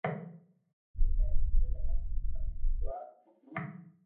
امي اوري ر وات مونو